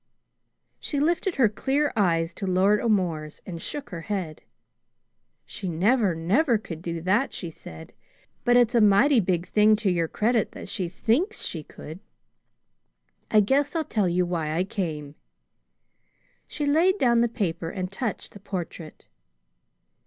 She lifted her clear eyes to Lord O'More's and shook her head. "She never, never could do that!" she said. "But it's a mighty big thing to your credit that she THINKS she could. I guess I'll tell you why I came." She laid down the paper, and touched the portrait.